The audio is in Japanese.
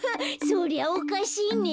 そりゃおかしいね。